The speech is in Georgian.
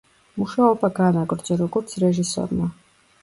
მუშაობა განაგრძო, როგორც რეჟისორმა.